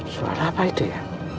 suara apa itu ya